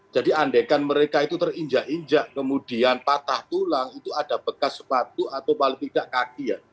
jadi andekan mereka itu terinjak injak kemudian patah tulang itu ada bekas sepatu atau paling tidak kaki ya